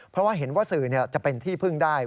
เพราะว่าเห็นว่าสื่อจะเป็นที่พึ่งได้